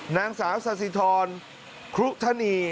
นางสาวสาธิธรณฑ์ครุฑธณี